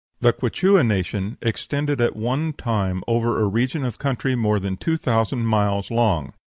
The Quichua nation extended at one time over a region of country more than two thousand miles long.